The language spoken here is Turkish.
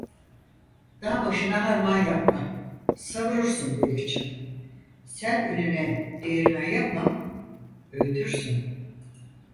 Dağ başına harman yapma, savurursun yel için, sel önüne değirmen yapma, öğütürsün.